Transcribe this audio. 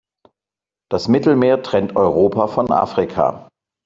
Das Mittelmeer trennt Europa von Afrika.